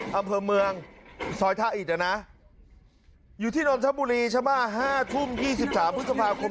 อำเภอเมืองซอยท่าอิดนะอยู่ที่นนทบุรีใช่ไหม๕ทุ่ม๒๓พฤษภาคม